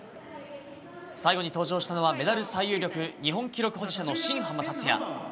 最後に登場したのは、メダル最有力、日本記録保持者の新濱立也。